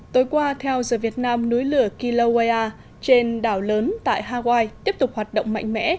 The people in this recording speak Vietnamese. tối qua theo the vietnam núi lửa kilauea trên đảo lớn tại hawaii tiếp tục hoạt động mạnh mẽ